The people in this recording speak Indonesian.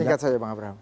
singkat saja pak abraham